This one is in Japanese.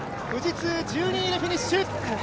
富士通１２位でフィニッシュ。